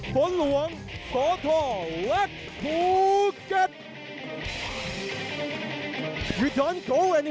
ฝนหวังสวัสดีครับเร็วเข้า